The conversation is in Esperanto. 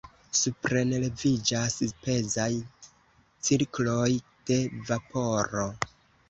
Suprenleviĝas pezaj cirkloj de vaporo.